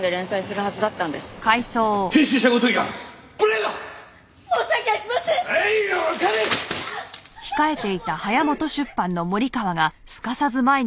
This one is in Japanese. はい。